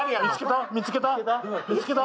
見つけた？